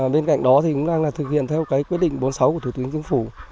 bên cạnh đó thì cũng đang thực hiện theo quyết định bốn mươi sáu của thủ tướng chính phủ